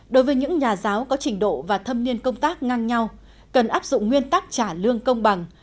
đối với những nhà giáo có trình độ và thâm niên công tác ngang nhau cần áp dụng nguyên tắc trả lương công bằng